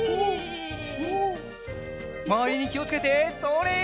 まわりにきをつけてそれ！